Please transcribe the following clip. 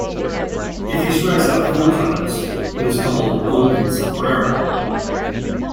If he strikes out four times, it is called a "golden sombrero".